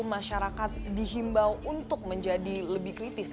masyarakat dihimbau untuk menjadi lebih kritis